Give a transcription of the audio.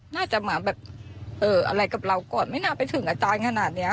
น่าจะมาแบบอะไรกับเราก่อนไม่น่าไปถึงอาจารย์ขนาดนี้